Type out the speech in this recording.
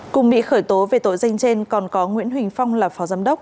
cùng bị khởi tố về tội danh trên còn có nguyễn huỳnh phong là phó giám đốc